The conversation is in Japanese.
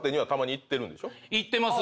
行ってます。